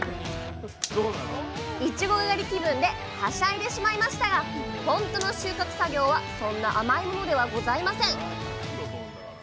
いちご狩り気分ではしゃいでしまいましたが本当の収穫作業はそんな甘いものではございません